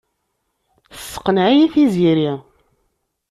Tesseqneɛ-iyi Tiziri.